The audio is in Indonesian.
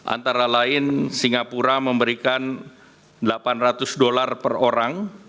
antara lain singapura memberikan delapan ratus dolar per orang